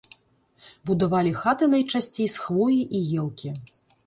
Будавалі хаты найчасцей з хвоі і елкі.